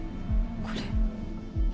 これ。